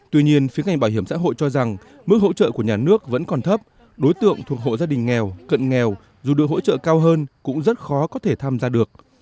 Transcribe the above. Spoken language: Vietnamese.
tuy nhiên phía ngành bảo hiểm xã hội cho rằng mức hỗ trợ của nhà nước vẫn còn thấp đối tượng thuộc hộ gia đình nghèo cận nghèo dù được hỗ trợ cao hơn cũng rất khó có thể tham gia được